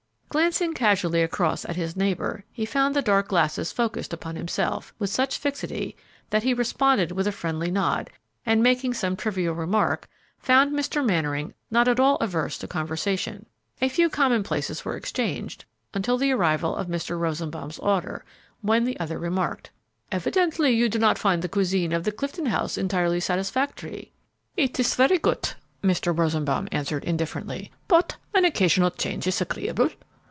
Glancing casually across at his neighbor, he found the dark glasses focused upon himself with such fixity that he responded with a friendly nod, and, making some trivial remark, found Mr. Mannering not at all averse to conversation. A few commonplaces were exchanged until the arrival of Mr. Rosenbaum's order, when the other remarked, "Evidently you do not find the cuisine of the Clifton House entirely satisfactory." "It is very good," Mr. Rosenbaum answered, indifferently, "but an occasional change is agreeable.